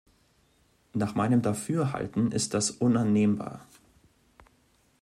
Nach meinem Dafürhalten ist das unannehmbar.